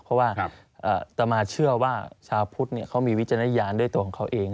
เพราะว่าต่อมาเชื่อว่าชาวพุทธเขามีวิจารณญาณด้วยตัวของเขาเอง